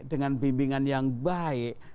dengan bimbingan yang baik